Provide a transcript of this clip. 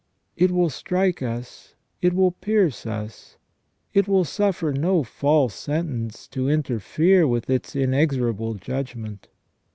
It will strike us, it will pierce us, it will suffer no false sentence to interfere with its inexorable judgment.